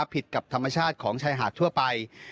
ผิดกับธรรมชาติของชายหาดทั่วไป